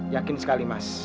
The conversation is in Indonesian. yakin sekali mas